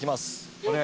お願い！